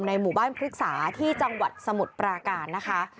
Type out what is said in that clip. หมู่บ้านพฤกษาที่จังหวัดสมุทรปราการนะคะ